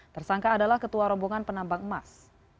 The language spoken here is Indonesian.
tersangka adalah ketua rombongan penambang emas